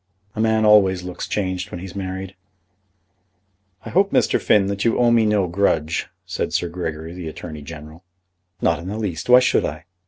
"A man always looks changed when he's married." "I hope, Mr. Finn, that you owe me no grudge," said Sir Gregory, the Attorney General. "Not in the least; why should I?"